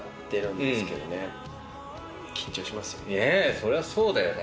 そりゃそうだよね。